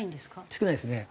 少ないですね。